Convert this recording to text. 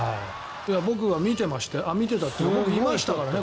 僕は見てましたよというか僕、いましたからね。